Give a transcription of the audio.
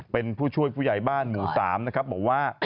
เป็นผู้ช่วยผู้ใหญ่บ้านหมู่๓นะครับบอกว่า